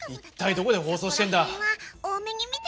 一体どこで放送してるんだ？